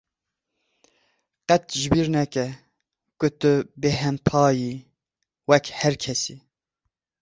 Qet ji bîr neke ku tu bêhempa yî, wek her kesekî.